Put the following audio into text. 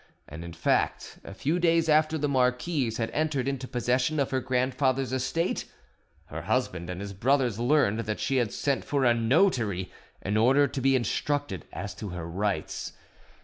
And in fact, a few days after the marquise had entered into possession of her grandfather's estate, her husband and his brothers learned that she had sent for a notary in order to be instructed as to her rights.